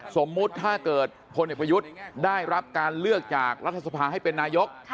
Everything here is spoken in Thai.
สมมุติถ้าเกิดพลเอกประยุทธ์ได้รับการเลือกจากรัฐสภาให้เป็นนายก